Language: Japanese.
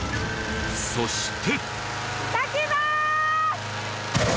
そして。